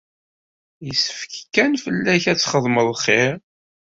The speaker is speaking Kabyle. Yessefk kan fell-ak ad txedmeḍ xir.